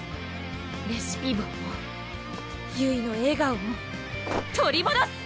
レシピボンもゆいの笑顔も取りもどす！